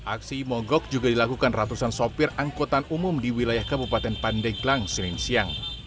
aksi mogok juga dilakukan ratusan sopir angkutan umum di wilayah kabupaten pandeglang senin siang